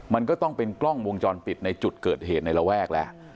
มันก็ต้องเป็นกล้องวงจรปิดในจุดเกิดเหตุในระแวกแล้ว